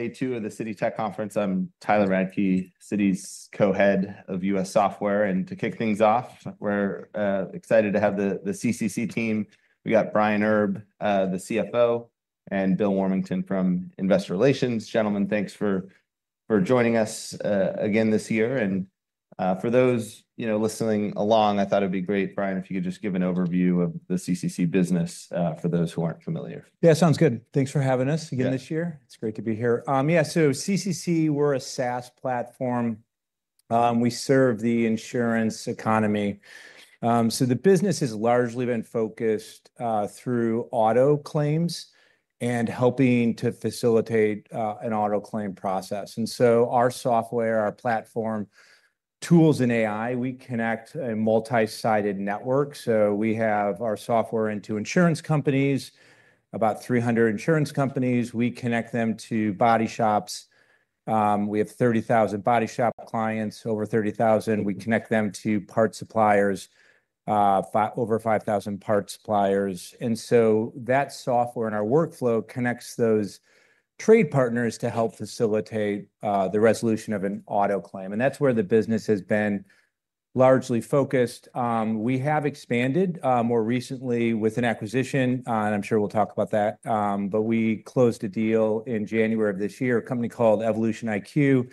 ... Day two of the Citi Tech Conference. I'm Tyler Radke, Citi's co-head of U.S. Software, and to kick things off, we're excited to have the CCC team. We got Brian Herb, the CFO, and Bill Warmington from investor relations. Gentlemen, thanks for joining us again this year. And, for those, you know, listening along, I thought it'd be great, Brian, if you could just give an overview of the CCC business, for those who aren't familiar. Yeah, sounds good. Thanks for having us again this year. Yeah. It's great to be here. Yeah, so CCC, we're a SaaS platform. We serve the insurance economy, so the business has largely been focused through auto claims and helping to facilitate an auto claim process, and so our software, our platform, tools, and AI, we connect a multi-sided network, so we have our software into insurance companies, about three hundred insurance companies. We connect them to body shops. We have 30,000 body shop clients, over 30,000. We connect them to part suppliers, over 5,000 part suppliers, and so that software and our workflow connects those trade partners to help facilitate the resolution of an auto claim, and that's where the business has largely focused. We have expanded more recently with an acquisition, and I'm sure we'll talk about that. But we closed a deal in January of this year, a company called EvolutionIQ,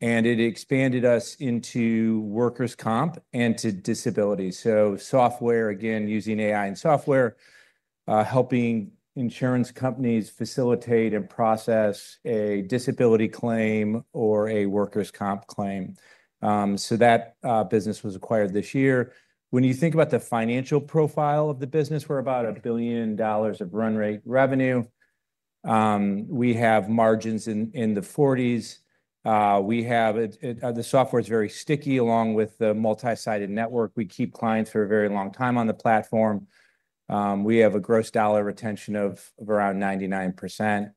and it expanded us into workers' comp and to disability. So software, again, using AI and software, helping insurance companies facilitate and process a disability claim or a workers' comp claim. So that business was acquired this year. When you think about the financial profile of the business, we're about $1 billion of run-rate revenue. We have margins in the forties. We have the software is very sticky, along with the multi-sided network. We keep clients for a very long time on the platform. We have a gross dollar retention of around 99%.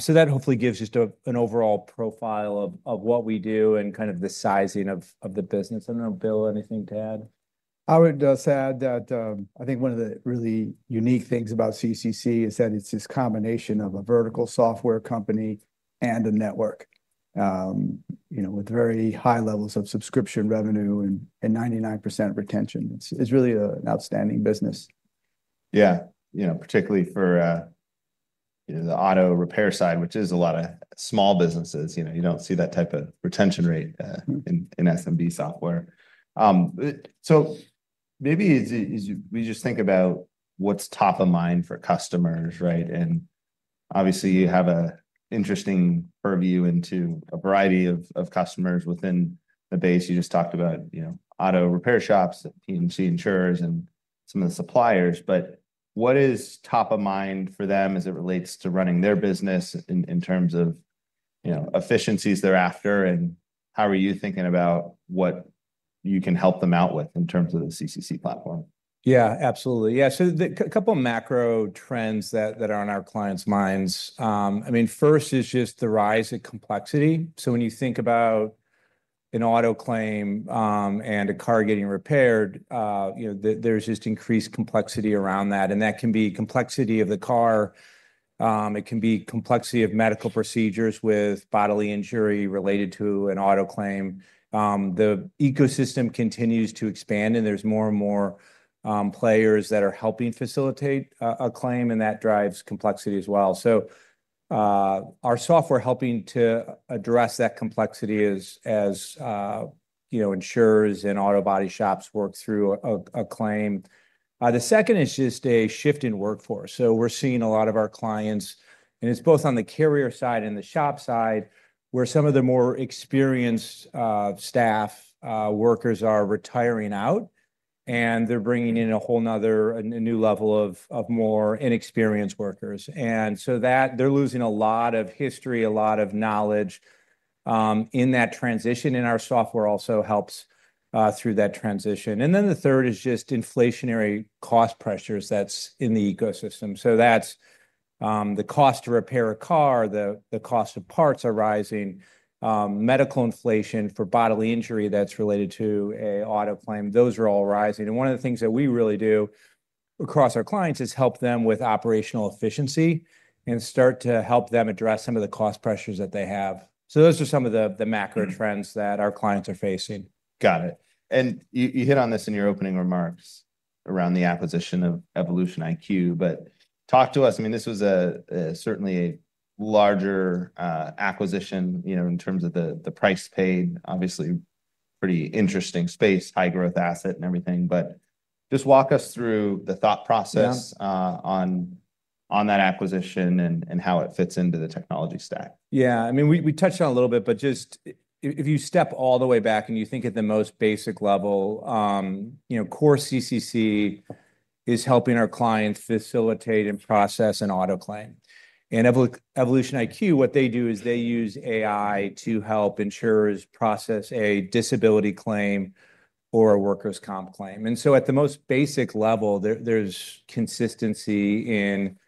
So that hopefully gives just a overall profile of what we do and kind of the sizing of the business. I don't know, Bill, anything to add? I would just add that, I think one of the really unique things about CCC is that it's this combination of a vertical software company and a network. You know, with very high levels of subscription revenue and 99% retention. It's really an outstanding business. Yeah. You know, particularly for, you know, the auto repair side, which is a lot of small businesses. You know, you don't see that type of retention rate, Mm... in SMB software. So maybe it's we just think about what's top of mind for customers, right? And obviously, you have an interesting purview into a variety of customers within the base. You just talked about, you know, auto repair shops, P&C insurers, and some of the suppliers, but what is top of mind for them as it relates to running their business in terms of, you know, efficiencies they're after? And how are you thinking about what you can help them out with in terms of the CCC platform? Yeah, absolutely. Yeah, so the couple of macro trends that are on our clients' minds, I mean, first is just the rise in complexity. So when you think about an auto claim, and a car getting repaired, you know, there's just increased complexity around that, and that can be complexity of the car, it can be complexity of medical procedures with bodily injury related to an auto claim. The ecosystem continues to expand, and there's more and more players that are helping facilitate a claim, and that drives complexity as well. So, our software helping to address that complexity as you know, insurers and auto body shops work through a claim. The second is just a shift in workforce. So we're seeing a lot of our clients, and it's both on the carrier side and the shop side, where some of the more experienced staff workers are retiring out, and they're bringing in a whole another new level of more inexperienced workers. And so that they're losing a lot of history, a lot of knowledge in that transition, and our software also helps through that transition. And then the third is just inflationary cost pressures that's in the ecosystem. That's the cost to repair a car, the cost of parts are rising, medical inflation for bodily injury that's related to a auto claim, those are all rising. One of the things that we really do across our clients is help them with operational efficiency and start to help them address some of the cost pressures that they have. Those are some of the macro trends- Mm... that our clients are facing. Got it. And you hit on this in your opening remarks around the acquisition of EvolutionIQ, but talk to us. I mean, this was certainly a larger acquisition, you know, in terms of the price paid. Obviously, pretty interesting space, high-growth asset and everything, but just walk us through the thought process- Yeah... on that acquisition and how it fits into the technology stack. Yeah. I mean, we, we touched on it a little bit, but just if you step all the way back and you think at the most basic level, you know, core CCC is helping our clients facilitate and process an auto claim. And EvolutionIQ, what they do is they use AI to help insurers process a disability claim or a workers' comp claim. And so at the most basic level, there's consistency in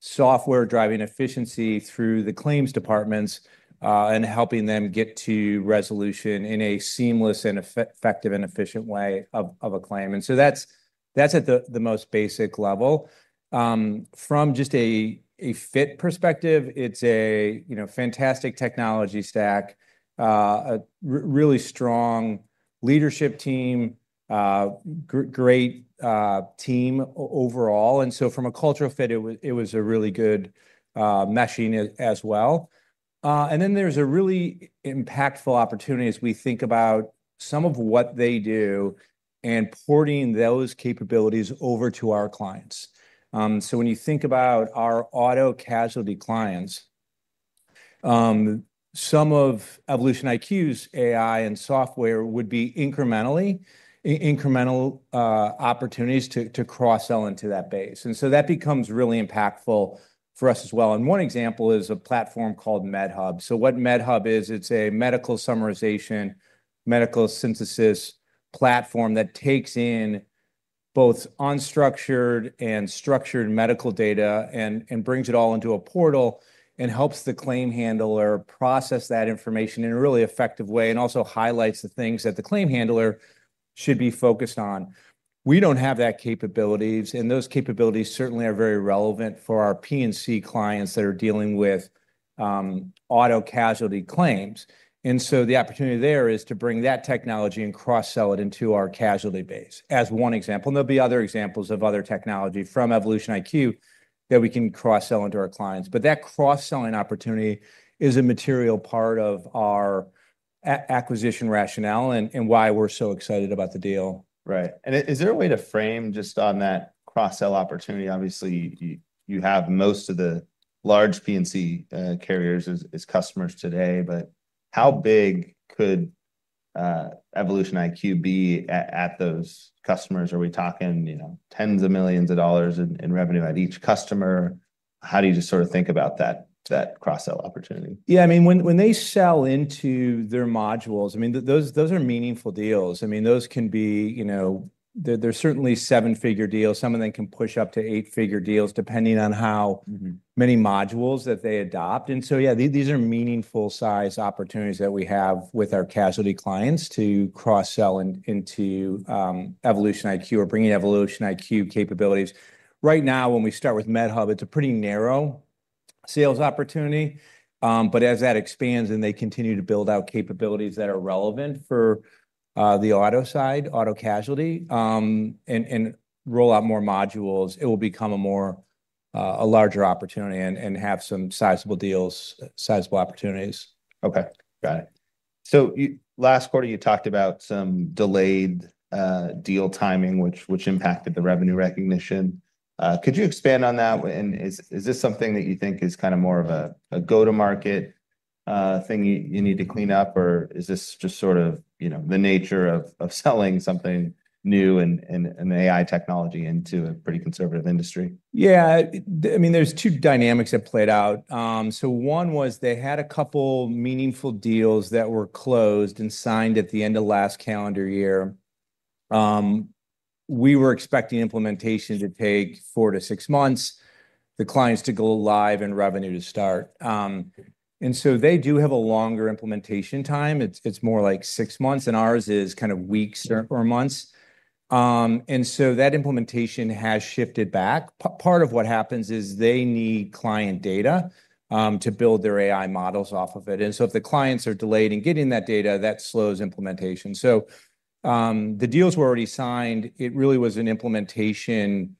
software driving efficiency through the claims departments, and helping them get to resolution in a seamless and effective and efficient way of a claim. And so that's. That's at the most basic level. From just a fit perspective, it's a, you know, fantastic technology stack, a really strong leadership team, great team overall. And so from a cultural fit, it was a really good meshing as well, and then there's a really impactful opportunity as we think about some of what they do, and porting those capabilities over to our clients, so when you think about our auto casualty clients, some of EvolutionIQ's AI and software would be incremental opportunities to cross-sell into that base, and so that becomes really impactful for us as well, and one example is a platform called MedHub, so what MedHub is, it's a medical summarization, medical synthesis platform that takes in both unstructured and structured medical data and brings it all into a portal, and helps the claim handler process that information in a really effective way, and also highlights the things that the claim handler should be focused on. We don't have those capabilities, and those capabilities certainly are very relevant for our P&C clients that are dealing with auto casualty claims. And so the opportunity there is to bring that technology and cross-sell it into our casualty base, as one example. And there'll be other examples of other technology from EvolutionIQ that we can cross-sell into our clients. But that cross-selling opportunity is a material part of our acquisition rationale, and why we're so excited about the deal. Right. And is there a way to frame, just on that cross-sell opportunity, obviously, you have most of the large P&C carriers as customers today, but how big could EvolutionIQ be at those customers? Are we talking, you know, tens of millions of dollars in revenue at each customer? How do you just sort of think about that cross-sell opportunity? Yeah, I mean, when they sell into their modules, I mean, those are meaningful deals. I mean, those can be, you know... they're certainly seven-figure deals. Some of them can push up to eight-figure deals, depending on how- Mm-hmm... many modules that they adopt. And so, yeah, these are meaningful size opportunities that we have with our casualty clients to cross-sell into EvolutionIQ, or bringing EvolutionIQ capabilities. Right now, when we start with MedHub, it's a pretty narrow sales opportunity. But as that expands and they continue to build out capabilities that are relevant for the auto side, auto casualty, and roll out more modules, it will become a more, a larger opportunity, and have some sizable deals, sizable opportunities. Okay, got it. So you last quarter, you talked about some delayed deal timing, which impacted the revenue recognition. Could you expand on that? And is this something that you think is kind of more of a go-to-market thing you need to clean up, or is this just sort of you know the nature of selling something new and AI technology into a pretty conservative industry? Yeah. I mean, there's two dynamics that played out. So one was they had a couple meaningful deals that were closed and signed at the end of last calendar year. We were expecting implementation to take four-to-six months, the clients to go live, and revenue to start. And so they do have a longer implementation time. It's more like six months, and ours is kind of weeks- Sure... or months, and so that implementation has shifted back. Part of what happens is they need client data to build their AI models off of it, and so if the clients are delayed in getting that data, that slows implementation, so the deals were already signed. It really was an implementation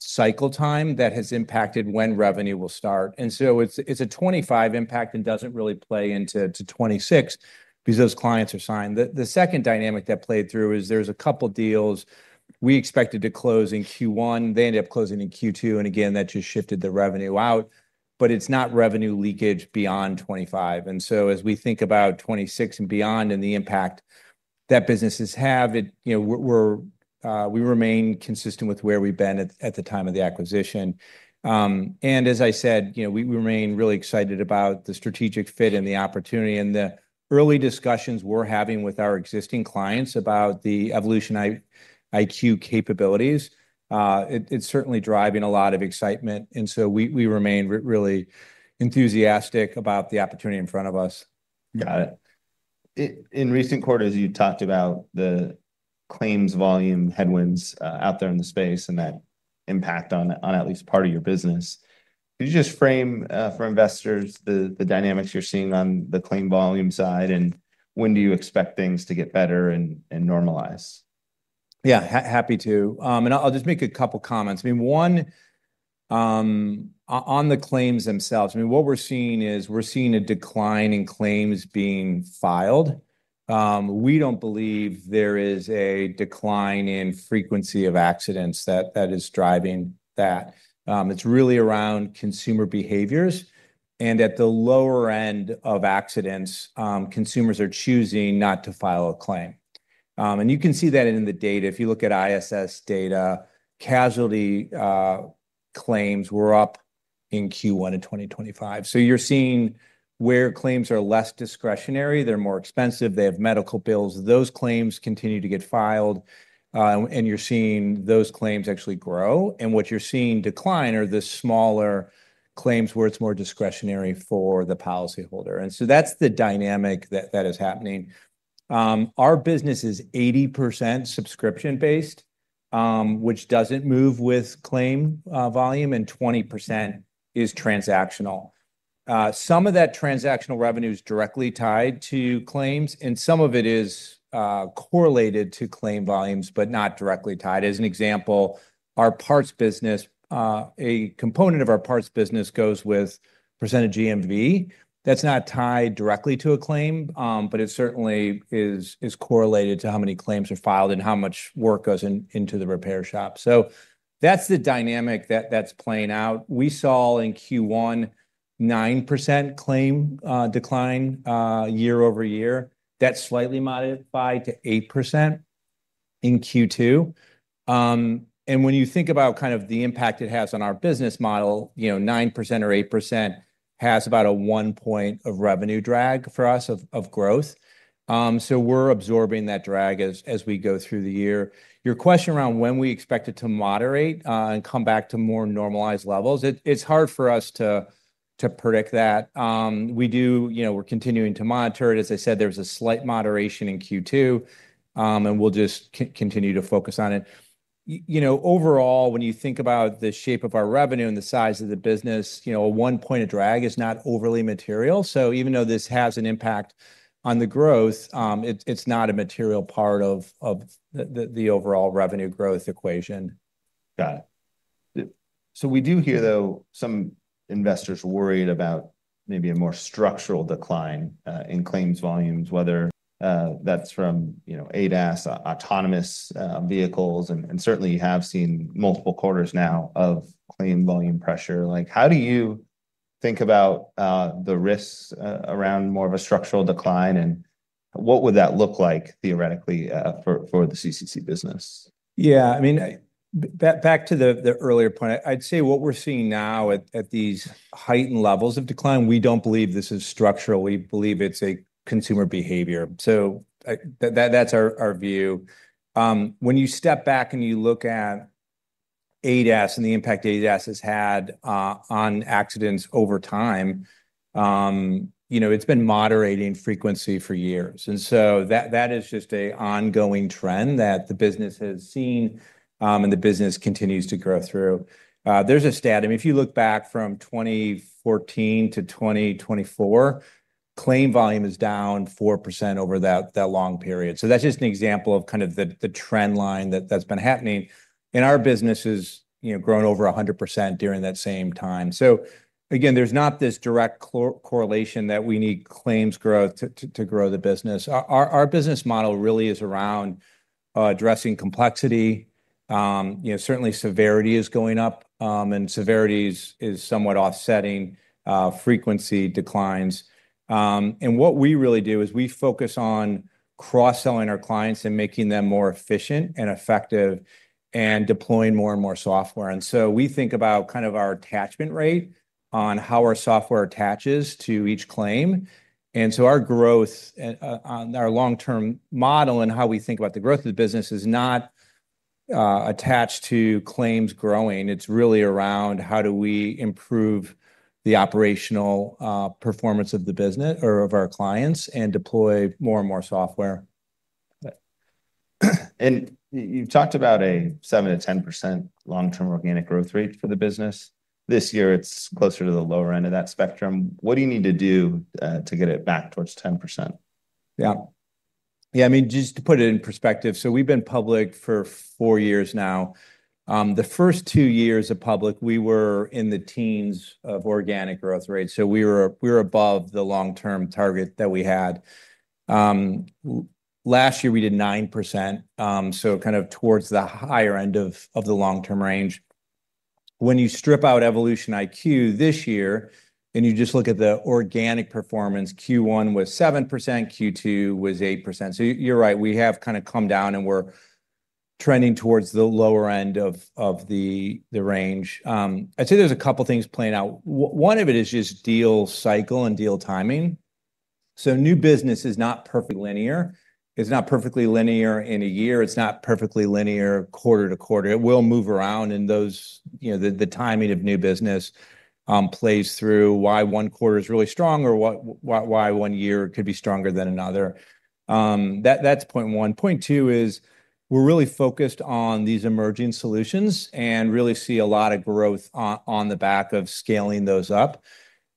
cycle time that has impacted when revenue will start, and so it's a 2025 impact and doesn't really play into 2026, because those clients are signed. The second dynamic that played through is there's a couple deals we expected to close in Q1. They ended up closing in Q2, and again, that just shifted the revenue out, but it's not revenue leakage beyond 2025. And so as we think about 2026 and beyond, and the impact that businesses have, it, you know, we're, we remain consistent with where we've been at the time of the acquisition. And as I said, you know, we, we remain really excited about the strategic fit and the opportunity, and the early discussions we're having with our existing clients about the EvolutionIQ capabilities, it, it's certainly driving a lot of excitement. And so we, we remain really enthusiastic about the opportunity in front of us. Got it. In recent quarters, you talked about the claims volume headwinds out there in the space, and that impact on at least part of your business. Could you just frame for investors the dynamics you're seeing on the claim volume side, and when do you expect things to get better and normalize? Yeah, happy to. And I'll just make a couple comments. I mean, one, on the claims themselves, I mean, what we're seeing is we're seeing a decline in claims being filed. We don't believe there is a decline in frequency of accidents that is driving that. It's really around consumer behaviors, and at the lower end of accidents, consumers are choosing not to file a claim. And you can see that in the data. If you look at ISS data, casualty claims were up in Q1 of 2025. So you're seeing where claims are less discretionary, they're more expensive, they have medical bills, those claims continue to get filed, and you're seeing those claims actually grow. And what you're seeing decline are the smaller claims, where it's more discretionary for the policyholder. And so that's the dynamic that is happening. Our business is 80% subscription-based, which doesn't move with claim volume, and 20% is transactional. Some of that transactional revenue is directly tied to claims, and some of it is correlated to claim volumes, but not directly tied. As an example, our parts business, a component of our parts business goes with percent of GMV. That's not tied directly to a claim, but it certainly is correlated to how many claims are filed and how much work goes into the repair shop. So that's the dynamic that's playing out. We saw in Q1, 9% claim decline, year-over-year. That slightly modified to 8% in Q2. And when you think about kind of the impact it has on our business model, you know, 9% or 8% has about a one point of revenue drag for us of growth. So we're absorbing that drag as we go through the year. Your question around when we expect it to moderate, and come back to more normalized levels, it's hard for us to predict that. We do. You know, we're continuing to monitor it. As I said, there was a slight moderation in Q2, and we'll just continue to focus on it. You know, overall, when you think about the shape of our revenue and the size of the business, you know, a one point of drag is not overly material. So even though this has an impact on the growth, it's not a material part of the overall revenue growth equation. Got it. So we do hear, though, some investors worried about maybe a more structural decline in claims volumes, whether that's from, you know, ADAS, autonomous vehicles, and certainly you have seen multiple quarters now of claim volume pressure. Like, how do you think about the risks around more of a structural decline, and what would that look like theoretically for the CCC business? Yeah, I mean, back to the earlier point, I'd say what we're seeing now at these heightened levels of decline, we don't believe this is structural. We believe it's a consumer behavior. So, that's our view. When you step back and you look at ADAS and the impact ADAS has had on accidents over time, you know, it's been moderating frequency for years. And so that is just an ongoing trend that the business has seen, and the business continues to grow through. There's a stat, I mean, if you look back from 2014 to 2024, claim volume is down 4% over that long period. So that's just an example of kind of the trend line that that's been happening, and our business has, you know, grown over 100% during that same time. So again, there's not this direct correlation that we need claims growth to grow the business. Our business model really is around addressing complexity. You know, certainly severity is going up, and severity is somewhat offsetting frequency declines. And what we really do is we focus on cross-selling our clients and making them more efficient and effective and deploying more and more software. And so we think about kind of our attachment rate on how our software attaches to each claim. And so our growth on our long-term model and how we think about the growth of the business is not attached to claims growing. It's really around: how do we improve the operational performance of the business or of our clients and deploy more and more software? You've talked about a 7%-10% long-term organic growth rate for the business. This year, it's closer to the lower end of that spectrum. What do you need to do to get it back towards 10%? Yeah. Yeah, I mean, just to put it in perspective, so we've been public for four years now. The first two years of public, we were in the teens of organic growth rate, so we were above the long-term target that we had. Last year, we did 9%, so kind of towards the higher end of the long-term range. When you strip out EvolutionIQ this year, and you just look at the organic performance, Q1 was 7%, Q2 was 8%. So you're right, we have kinda come down, and we're trending towards the lower end of the range. I'd say there's a couple things playing out. One of it is just deal cycle and deal timing. So new business is not perfectly linear. It's not perfectly linear in a year, it's not perfectly linear quarter to quarter. It will move around, and those, you know, the timing of new business plays through why one quarter is really strong or why one year could be stronger than another. That's point one. Point two is, we're really focused on these emerging solutions and really see a lot of growth on the back of scaling those up.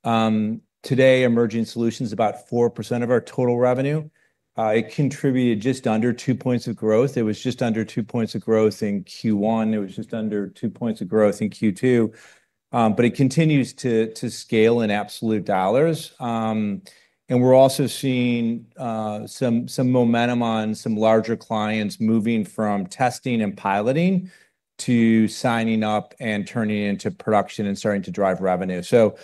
Today, emerging solutions are about 4% of our total revenue. It contributed just under two points of growth. It was just under two points of growth in Q1. It was just under two points of growth in Q2, but it continues to scale in absolute dollars, and we're also seeing some momentum on some larger clients moving from testing and piloting to signing up and turning into production and starting to drive revenue. So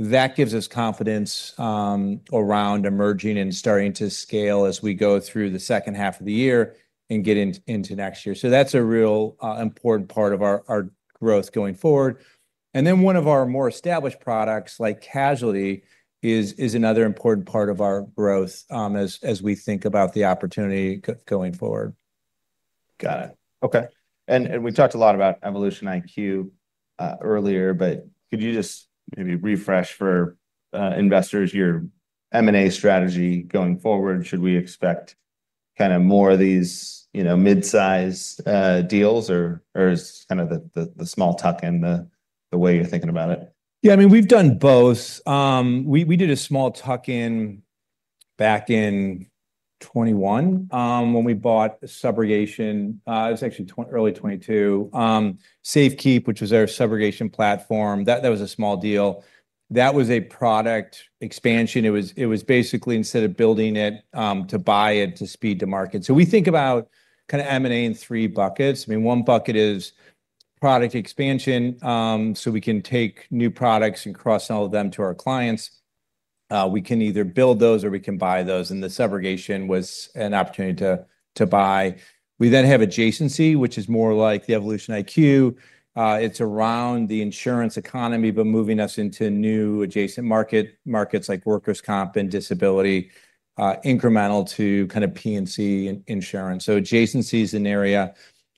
that gives us confidence around emerging and starting to scale as we go through the second half of the year and get into next year. So that's a real important part of our growth going forward. And then, one of our more established products, like casualty, is another important part of our growth, as we think about the opportunity going forward. Got it. Okay, and we've talked a lot about EvolutionIQ earlier, but could you just maybe refresh for investors your M&A strategy going forward? Should we expect kind of more of these, you know, mid-size deals, or is kind of the small tuck-in the way you're thinking about it? Yeah, I mean, we've done both. We did a small tuck-in back in 2021, when we bought subrogation. It was actually early 2022. Safekeep, which was our subrogation platform, that was a small deal. That was a product expansion. It was basically instead of building it, to buy it, to speed to market. So we think about kind of M&A in three buckets. I mean, one bucket is product expansion, so we can take new products and cross-sell them to our clients. We can either build those or we can buy those, and the subrogation was an opportunity to buy. We then have adjacency, which is more like the EvolutionIQ. It's around the insurance economy, but moving us into new adjacent markets like workers' comp and disability, incremental to kind of P&C insurance. So adjacency is an area.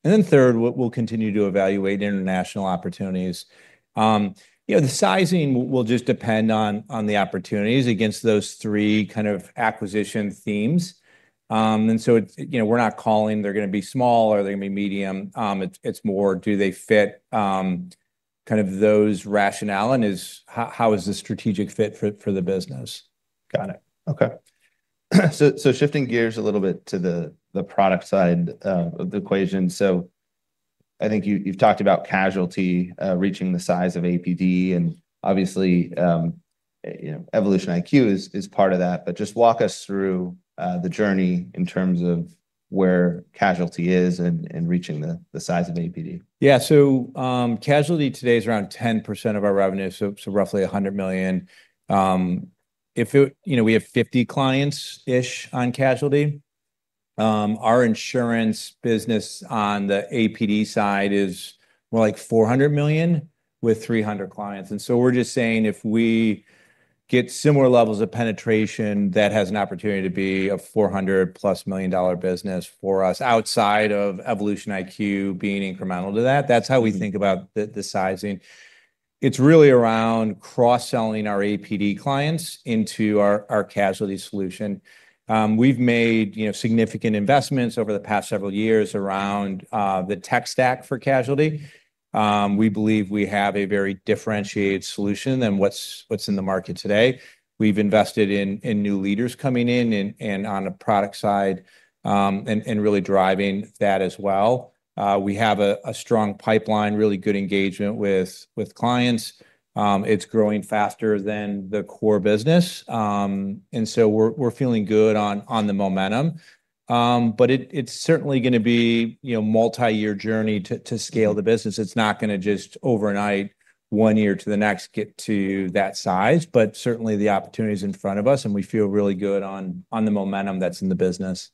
And then third, we'll continue to evaluate international opportunities. You know, the sizing will just depend on the opportunities against those three kind of acquisition themes. And so, you know, we're not calling they're gonna be small or they're gonna be medium. It's more do they fit kind of those rationale, and how is the strategic fit for the business? Got it. Okay. So shifting gears a little bit to the product side of the equation. So I think you, you've talked about casualty reaching the size of APD, and obviously, you know, EvolutionIQ is part of that. But just walk us through the journey in terms of where casualty is and reaching the size of APD. Yeah. So, casualty today is around 10% of our revenue, so roughly $100 million. If it... You know, we have 50 clients-ish on casualty. Our insurance business on the APD side is more like $400 million with 300 clients, and so we're just saying if we get similar levels of penetration, that has an opportunity to be a $400-plus million business for us outside of EvolutionIQ being incremental to that. Mm. That's how we think about the sizing. It's really around cross-selling our APD clients into our casualty solution. We've made, you know, significant investments over the past several years around the tech stack for casualty. We believe we have a very differentiated solution than what's in the market today. We've invested in new leaders coming in and on the product side and really driving that as well. We have a strong pipeline, really good engagement with clients. It's growing faster than the core business, and so we're feeling good on the momentum. But it's certainly gonna be, you know, multi-year journey to scale the business. It's not gonna just overnight, one year to the next, get to that size, but certainly the opportunity's in front of us, and we feel really good on, on the momentum that's in the business.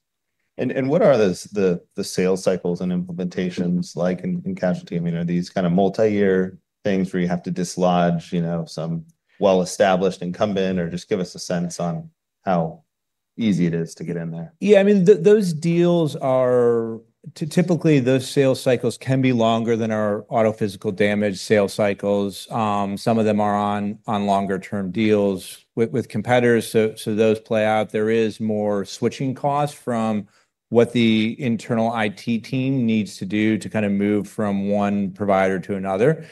What are the sales cycles and implementations like in casualty? I mean, are these kind of multi-year things where you have to dislodge, you know, some well-established incumbent, or just give us a sense on how easy it is to get in there. Yeah, I mean, those deals are typically longer than our auto physical damage sales cycles. Some of them are on longer-term deals with competitors, so those play out. There is more switching costs from what the internal IT team needs to do to kind of move from one provider to another.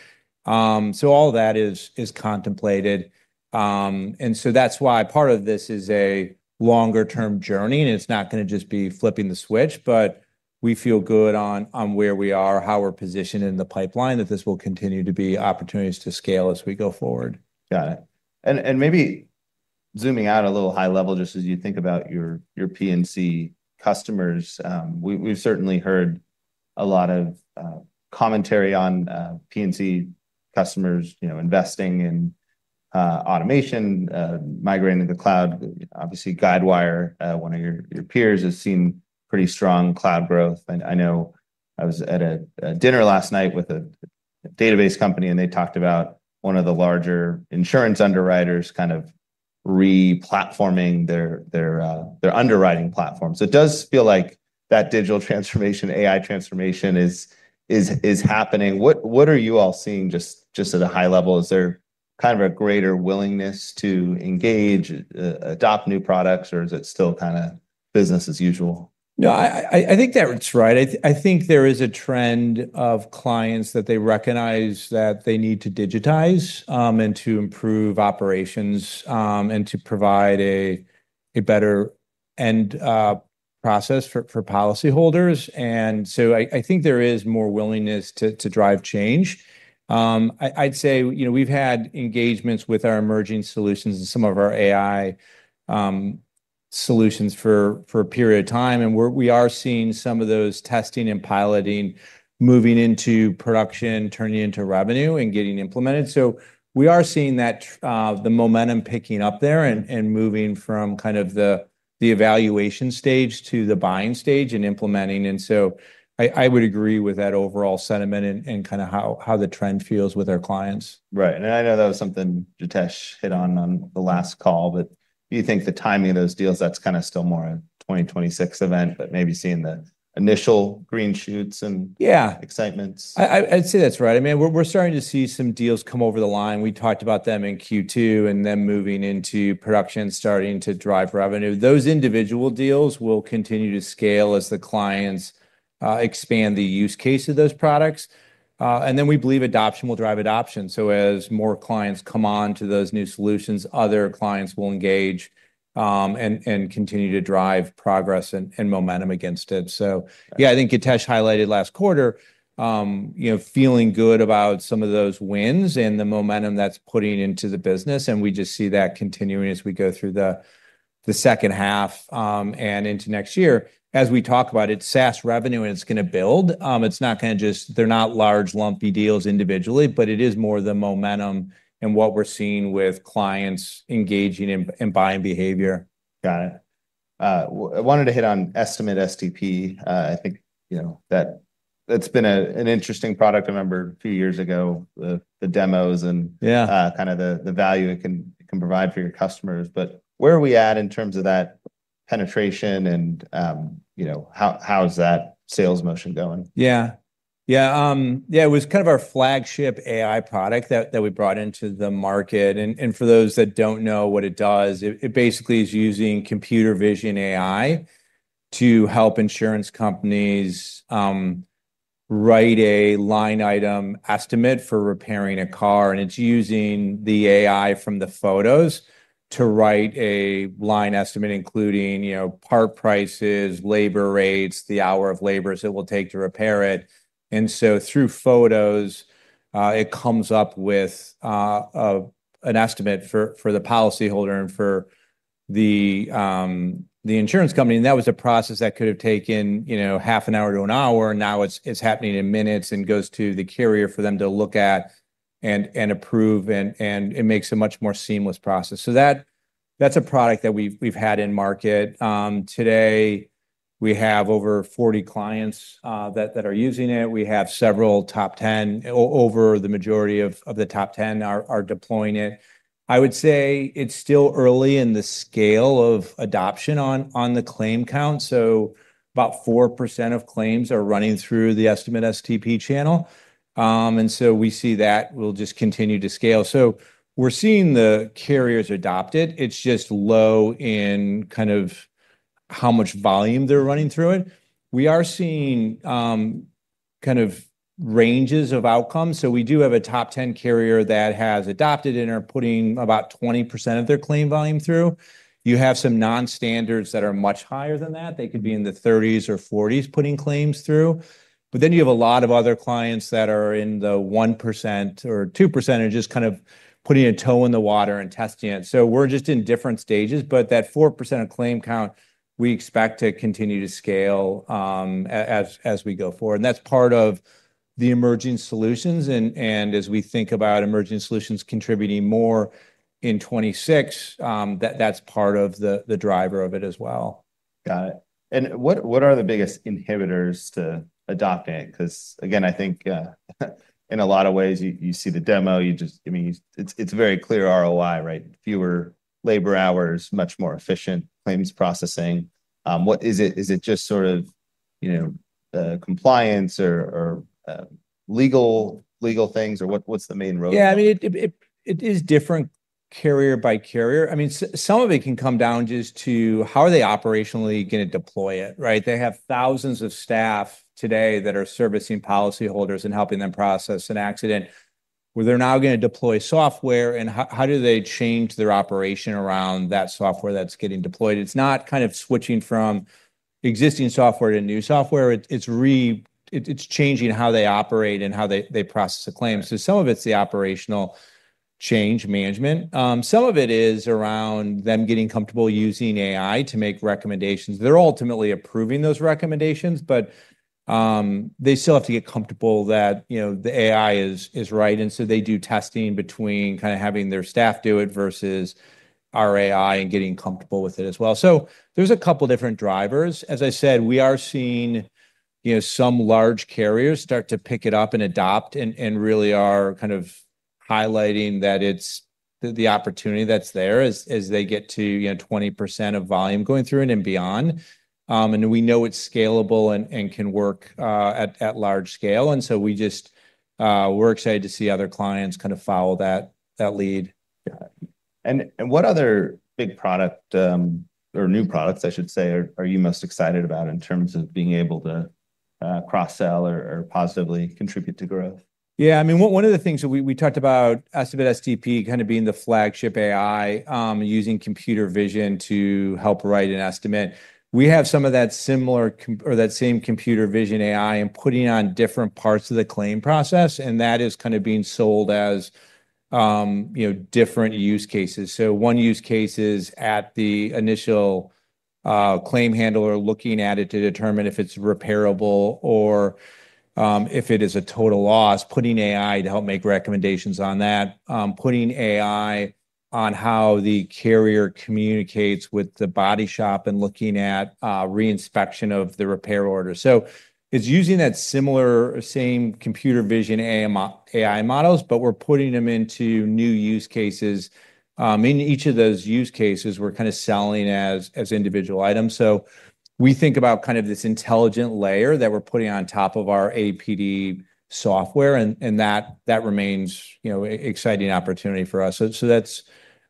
So all that is contemplated, and so that's why part of this is a longer-term journey, and it's not gonna just be flipping the switch, but we feel good on where we are, how we're positioned in the pipeline, that this will continue to be opportunities to scale as we go forward. Got it. And maybe zooming out a little high level, just as you think about your P&C customers, we've certainly heard a lot of commentary on P&C customers, you know, investing in automation, migrating to the cloud. Obviously, Guidewire, one of your peers, has seen pretty strong cloud growth. And I know I was at a dinner last night with a database company, and they talked about one of the larger insurance underwriters kind of re-platforming their underwriting platform. So it does feel like that digital transformation, AI transformation, is happening. What are you all seeing just at a high level? Is there kind of a greater willingness to engage, adopt new products, or is it still kind of business as usual? No, I think that's right. I think there is a trend of clients that they recognize that they need to digitize and to improve operations and to provide a better end process for policyholders. And so I think there is more willingness to drive change. I'd say, you know, we've had engagements with our emerging solutions and some of our AI solutions for a period of time, and we are seeing some of those testing and piloting moving into production, turning into revenue, and getting implemented. So we are seeing that the momentum picking up there and moving from kind of the evaluation stage to the buying stage and implementing, and so I would agree with that overall sentiment and kind of how the trend feels with our clients. Right. And I know that was something Githesh hit on, on the last call, but do you think the timing of those deals, that's kind of still more a 2026 event, but maybe seeing the initial green shoots and- Yeah - excitements? I'd say that's right. I mean, we're starting to see some deals come over the line. We talked about them in Q2, and then moving into production, starting to drive revenue. Those individual deals will continue to scale as the clients expand the use case of those products. And then we believe adoption will drive adoption. So as more clients come on to those new solutions, other clients will engage and continue to drive progress and momentum against it. So- Right. Yeah, I think Githesh highlighted last quarter, you know, feeling good about some of those wins and the momentum that's putting into the business, and we just see that continuing as we go through the second half, and into next year. As we talk about it, it's SaaS revenue, and it's going to build. It's not kind of just. They're not large, lumpy deals individually, but it is more the momentum and what we're seeing with clients engaging in buying behavior. Got it. I wanted to hit on Estimate-STP. I think, you know, that that's been an interesting product. I remember a few years ago, the demos and- Yeah... kind of the value it can provide for your customers. But where are we at in terms of that penetration and, you know, how is that sales motion going? Yeah. Yeah, yeah, it was kind of our flagship AI product that we brought into the market, and for those that don't know what it does, it basically is using computer vision AI to help insurance companies write a line item estimate for repairing a car, and it's using the AI from the photos to write a line estimate, including, you know, part prices, labor rates, the hour of labor it will take to repair it. And so through photos, it comes up with an estimate for the policyholder and for the insurance company. That was a process that could have taken, you know, half an hour to an hour, and now it's happening in minutes and goes to the carrier for them to look at and approve, and it makes a much more seamless process. That's a product that we've had in market. Today, we have over 40 clients that are using it. We have several top 10. Over the majority of the top 10 are deploying it. I would say it's still early in the scale of adoption on the claim count, so about 4% of claims are running through the Estimate-STP channel. We see that will just continue to scale. We're seeing the carriers adopt it. It's just low in kind of how much volume they're running through it. We are seeing kind of ranges of outcomes, so we do have a top ten carrier that has adopted and are putting about 20% of their claim volume through. You have some non-standards that are much higher than that. They could be in the thirties or forties, putting claims through. But then you have a lot of other clients that are in the 1% or 2%, just kind of putting a toe in the water and testing it. So we're just in different stages, but that 4% of claim count, we expect to continue to scale as, as we go forward, and that's part of the emerging solutions, and as we think about emerging solutions contributing more in 2026, that's part of the driver of it as well. Got it. And what are the biggest inhibitors to adopting it? Because, again, I think, in a lot of ways, you, you see the demo, you just... I mean, it's a very clear ROI, right? Fewer labor hours, much more efficient claims processing. What is it just sort of, you know, compliance or legal things, or what's the main roadblock? Yeah, I mean, it is different carrier by carrier. I mean, some of it can come down just to how are they operationally going to deploy it, right? They have thousands of staff today that are servicing policyholders and helping them process an accident, where they're now going to deploy software, and how do they change their operation around that software that's getting deployed? It's not kind of switching from existing software to new software. It's changing how they operate and how they process a claim. Right. So some of it's the operational change management. Some of it is around them getting comfortable using AI to make recommendations. They're ultimately approving those recommendations, but they still have to get comfortable that, you know, the AI is right, and so they do testing between kind of having their staff do it versus our AI and getting comfortable with it as well. So there's a couple different drivers. As I said, we are seeing, you know, some large carriers start to pick it up and adopt and really are kind of highlighting that it's the opportunity that's there as they get to, you know, 20% of volume going through and beyond. And we know it's scalable and can work at large scale, and so we're excited to see other clients kind of follow that lead. Yeah. And what other big product or new products, I should say, are you most excited about in terms of being able to cross-sell or positively contribute to growth? Yeah, I mean, one of the things that we talked about, Estimate-STP, kind of being the flagship AI, using computer vision to help write an estimate. We have some of that similar or that same computer vision AI and putting on different parts of the claim process, and that is kind of being sold as, you know, different use cases. So one use case is at the initial claim handler looking at it to determine if it's repairable or if it is a total loss, putting AI to help make recommendations on that. Putting AI on how the carrier communicates with the body shop and looking at re-inspection of the repair order. So it's using that similar, same computer vision AI models, but we're putting them into new use cases. In each of those use cases, we're kind of selling as individual items. So we think about kind of this intelligent layer that we're putting on top of our APD software, and that remains, you know, an exciting opportunity for us. So that's what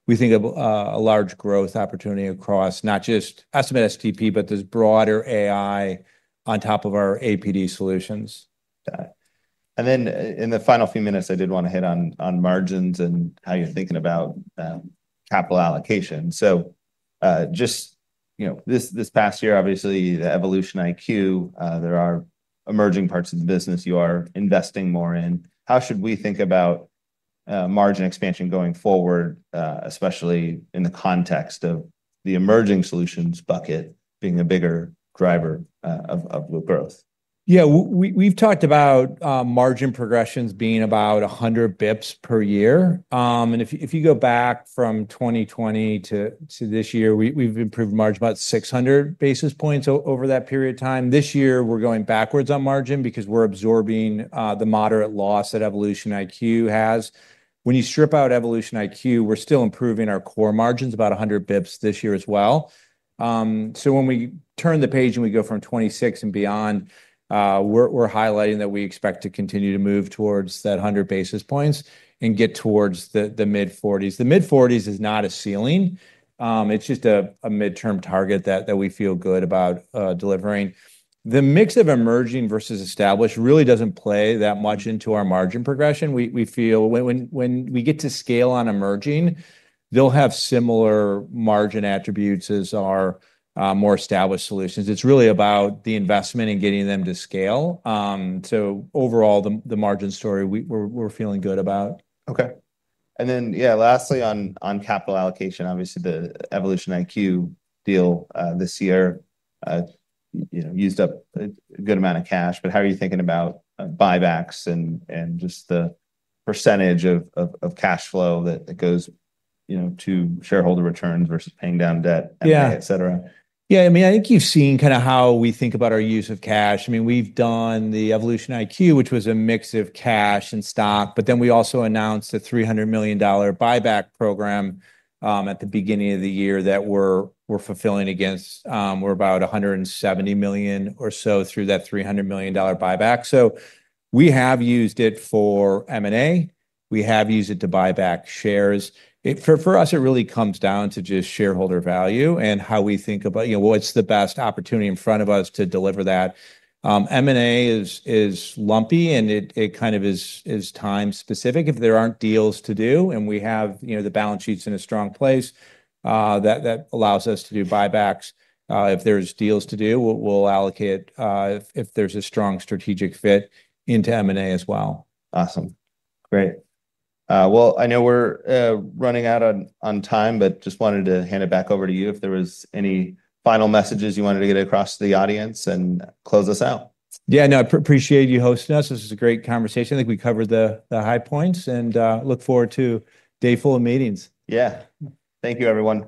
we think of as a large growth opportunity across not just Estimate-STP, but this broader AI on top of our APD solutions. Got it. And then in the final few minutes, I did want to hit on margins and how you're thinking about capital allocation. So, just, you know, this past year, obviously, the EvolutionIQ, there are emerging parts of the business you are investing more in. How should we think about margin expansion going forward, especially in the context of the emerging solutions bucket being a bigger driver of real growth? Yeah, we've talked about margin progressions being about 100 basis points per year. And if you go back from 2020 to this year, we've improved margin about 600 basis points over that period of time. This year, we're going backwards on margin because we're absorbing the moderate loss that EvolutionIQ has. When you strip out EvolutionIQ, we're still improving our core margins, about 100 basis points this year as well. So when we turn the page, and we go from 2026 and beyond, we're highlighting that we expect to continue to move towards that 100 basis points and get towards the mid-40s. The mid-40s is not a ceiling, it's just a midterm target that we feel good about delivering. The mix of emerging versus established really doesn't play that much into our margin progression. We feel when we get to scale on emerging, they'll have similar margin attributes as our more established solutions. It's really about the investment and getting them to scale. So overall, the margin story, we're feeling good about. Okay. And then, yeah, lastly, on capital allocation, obviously, the EvolutionIQ deal this year, you know, used up a good amount of cash, but how are you thinking about buybacks and just the percentage of cash flow that goes, you know, to shareholder returns versus paying down debt? Yeah... et cetera? Yeah, I mean, I think you've seen kind of how we think about our use of cash. I mean, we've done the EvolutionIQ, which was a mix of cash and stock, but then we also announced a $300 million buyback program at the beginning of the year that we're fulfilling against. We're about $170 million or so through that $300 million buyback. So we have used it for M&A, we have used it to buy back shares. For us, it really comes down to just shareholder value and how we think about, you know, what's the best opportunity in front of us to deliver that. M&A is lumpy, and it kind of is time specific. If there aren't deals to do, and we have, you know, the balance sheets in a strong place, that allows us to do buybacks. If there's deals to do, we'll allocate, if there's a strong strategic fit into M&A as well. Awesome. Great. Well, I know we're running out on time, but just wanted to hand it back over to you, if there was any final messages you wanted to get across to the audience and close us out. Yeah, no, appreciate you hosting us. This was a great conversation. I think we covered the high points, and look forward to a day full of meetings. Yeah. Thank you, everyone.